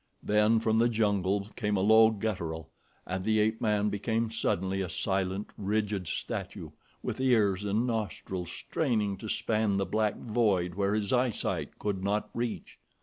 Then from the jungle came a low guttural, and the ape man became suddenly a silent, rigid statue, with ears and nostrils straining to span the black void where his eyesight could not reach.